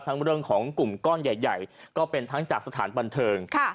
เรื่องของกลุ่มก้อนใหญ่ก็เป็นทั้งจากสถานบันเทิง